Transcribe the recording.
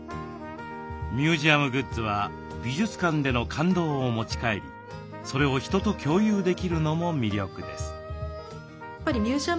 ミュージアムグッズは美術館での感動を持ち帰りそれを人と共有できるのも魅力です。